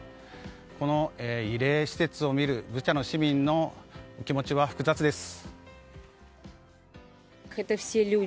この慰霊施設を見るブチャの市民の気持ちは複雑です。